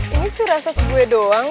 ini perasaan gue doang